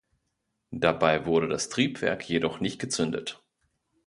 Dabei wurde das Triebwerk jedoch nicht gezündet.